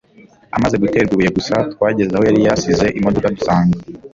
amaze guterwa ibuye gusa twageze aho yari yasize imodoka dusanga